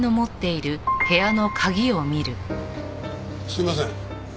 すいません。